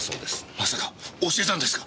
まさか教えたんですか？